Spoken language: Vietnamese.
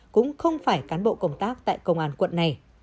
cũng không phải cán bộ công tác tại công an quận này